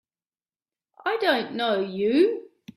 I don't know you!